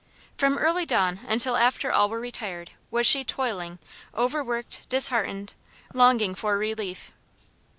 From early dawn until after all were retired, was she toiling, overworked, disheartened, longing for relief.